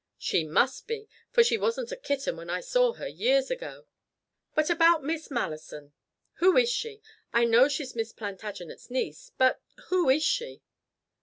"She must be, for she wasn't a kitten when I saw her years ago. But about Miss Malleson. Who is she? I know she's Miss Plantagenet's niece. But who is she?"